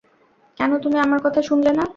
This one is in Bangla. কেন তুমি আমার কথা শুনলে না?